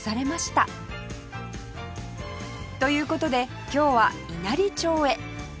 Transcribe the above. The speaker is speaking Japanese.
という事で今日は稲荷町へ